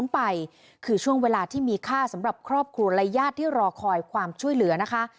ไปคือช่วงเวลาที่มีค่าสำหรับครอบครัวและญาติที่รอคอยความช่วยเหลือนะคะ